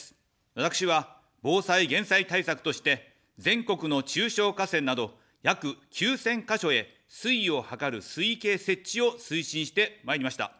私は防災減災対策として、全国の中小河川など、約９０００か所へ水位を測る水位計設置を推進してまいりました。